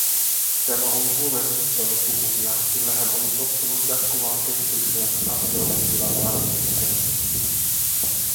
Tämä oli huolestuttanut Tukukia, sillä hän oli tottunut jatkuvaan kehitykseen, asioiden tilan parantumiseen.